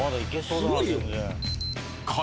すごいよ。